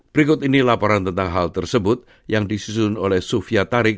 berikut ini laporan tentang hal tersebut yang disusun oleh sofia tarik